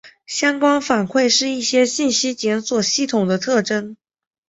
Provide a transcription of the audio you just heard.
相关反馈是一些信息检索系统的特征。